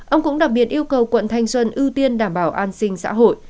ông cũng đặc biệt yêu cầu quận thanh xuân ưu tiên đảm bảo an sinh xã hội